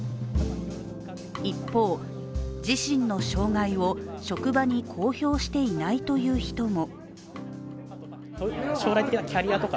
一方、自身の障害を職場に公表していないという人も。